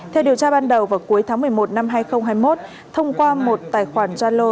theo điều tra ban đầu vào cuối tháng một mươi một năm hai nghìn hai mươi một thông qua một tài khoản gia lô